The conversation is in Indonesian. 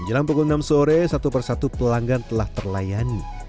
jelang pukul enam sore satu persatu pelanggan telah terlayani